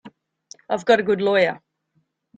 I've got a good lawyer.